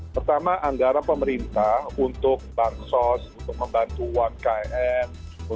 pertama anggaran pemerintah untuk bank source untuk membantu satu kn